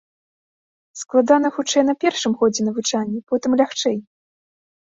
Складана, хутчэй, на першым годзе навучання, потым лягчэй.